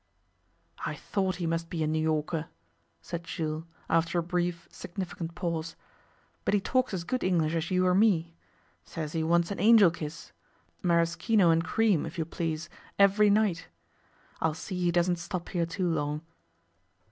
'I thought he must be a New Yorker,' said Jules, after a brief, significant pause, 'but he talks as good English as you or me. Says he wants an "Angel Kiss" maraschino and cream, if you please every night. I'll see he doesn't stop here too long.